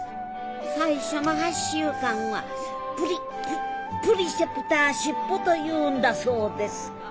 最初の８週間はプリププリセプターシップというんだそうです。